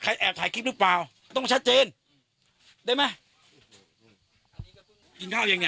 แอบถ่ายคลิปหรือเปล่าต้องชัดเจนได้ไหมอันนี้ก็ต้องกินข้าวเองเนี่ย